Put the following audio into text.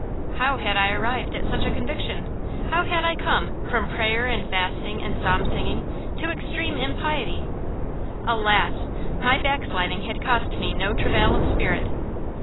How had I arrived at such a conviction? How had I come, from praying and fasting and Psalm singing, to extreme impiety? Alas! my backsliding had cost me no travail of spirit.